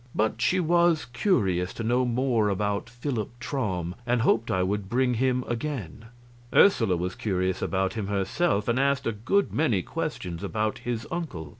But she was curious to know more about Philip Traum, and hoped I would bring him again. Ursula was curious about him herself, and asked a good many questions about his uncle.